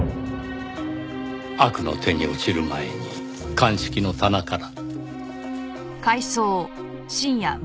悪の手に落ちる前に鑑識の棚から。